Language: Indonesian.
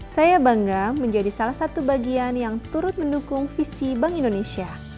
saya bangga menjadi salah satu bagian yang turut mendukung visi bank indonesia